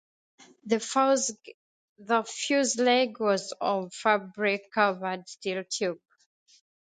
The fuselage was of fabric-covered steel tube.